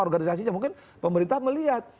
organisasinya mungkin pemerintah melihat